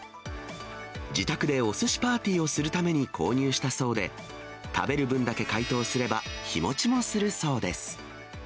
自宅でおすしパーティーをするために購入したそうで、食べる分だけ解凍すれば、日持ちもするそうです。